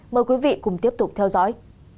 mời quý vị cùng tiếp tục theo dõi